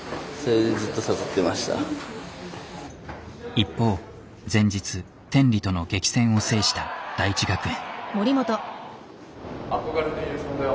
一方前日天理との激戦を制した大智学園。